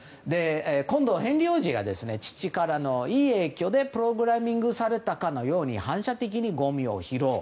今度はヘンリー王子が父からのいい影響でプログラミングされたかのように反射的に、ごみを拾う。